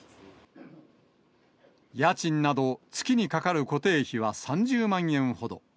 家賃など、月にかかる固定費は３０万円ほど。